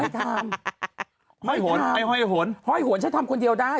ไอ้ห้อยหวนฉันทำคนเดียวได้